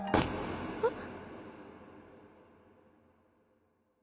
えっ？